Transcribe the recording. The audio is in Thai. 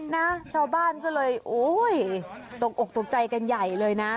นะชาวบ้านก็เลยโอ้ยตกอกตกใจกันใหญ่เลยนะ